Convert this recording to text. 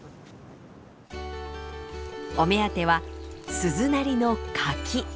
お目当ては鈴なりの柿！